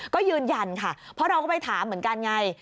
ก็ยืนยันค่ะเพราะเราก็ไปถามเหมือนกันไง